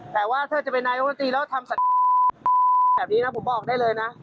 แต่ว่าถ้าจะเป็นนายกรรมตรีแล้วทำแบบนี้นะผมบอกได้เลยนะ